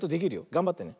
がんばってね。